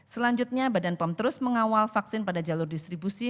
selanjutnya badan pom terus mengawal vaksin pada jalur distribusi